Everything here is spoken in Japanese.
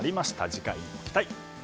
次回に期待。